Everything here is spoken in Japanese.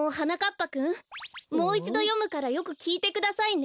ぱくんもういちどよむからよくきいてくださいね。